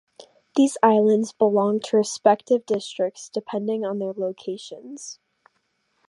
These islands belong to respective districts depending on their locations.